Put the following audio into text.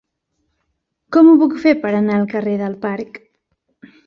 Com ho puc fer per anar al carrer del Parc?